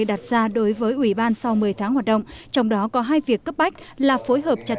đặt ra đối với ủy ban sau một mươi tháng hoạt động trong đó có hai việc cấp bách là phối hợp chặt